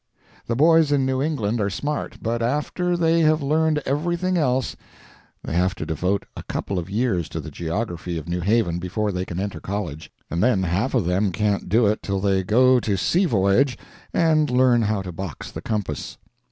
The boys in New England are smart, but after they have learned everything else they have to devote a couple of years to the geography of New Haven before they can enter college, and then half of them can't do it till they go to sea voyage and learn how to box the compass.